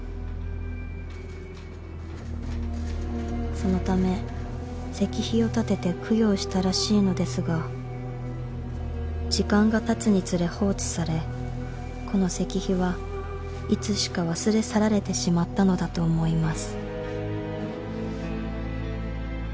［そのため石碑を建てて供養したらしいのですが時間がたつにつれ放置されこの石碑はいつしか忘れ去られてしまったのだと思います］